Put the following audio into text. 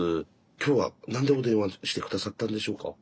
きょうは何でお電話して下さったんでしょうか？